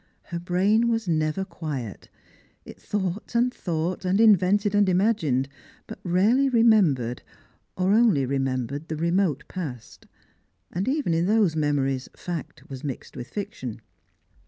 Her brain was never quiet. It thought and thought, and invented and imagined, but rarely remem bered, or only remembered the remote past ; and even in those memories fact was mixed with fiction.